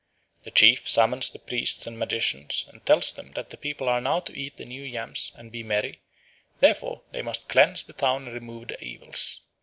The chiefs summon the priests and magicians and tell them that the people are now to eat the new yams and be merry, therefore they must cleanse the town and remove the evils.